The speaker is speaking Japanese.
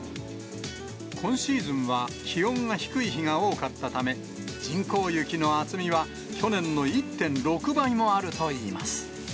今シーズンは気温が低い日が多かったため、人工雪の厚みは去年の１．６倍もあるといいます。